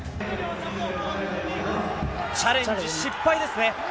チャレンジ失敗です。